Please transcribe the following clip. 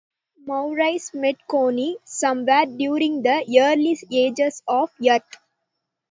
Maurice met Connie somewhere during the early ages of Earth.